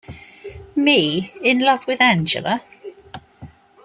Me in love with Angela?